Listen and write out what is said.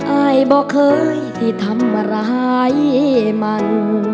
อายบ่เคยที่ทำร้ายมัน